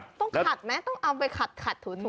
ต้องขัดไหมต้องเอาไปขัดขัดถูกถูก